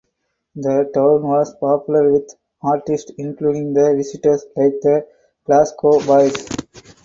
The town was popular with artists including the visitors like the Glasgow Boys.